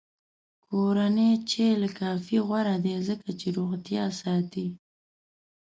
کورنی چای له کافي غوره دی، ځکه چې روغتیا ساتي.